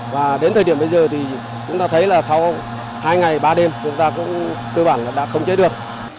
và đến thời điểm bây giờ thì chúng ta thấy là sau hai ngày ba đêm chúng ta cũng cơ bản là đã khống chế được